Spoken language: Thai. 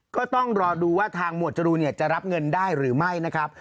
ก็ต้องรอดูว่าทางหมวดจรูนจะรับเงินได้หรือไม่นะครับ